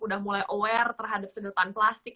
udah mulai aware terhadap sedotan plastik